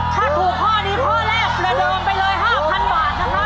ถ้าถูกข้อนี้ข้อแรกประเดิมไปเลย๕๐๐บาทนะครับ